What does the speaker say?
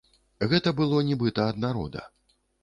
Гэта было нібыта ад народа.